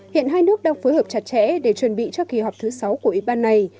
hiện hai nước đang phối hợp chặt chẽ để chuẩn bị cho kỳ họp thứ sáu của ủy ban này